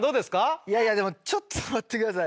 いやいやでもちょっと待って下さい。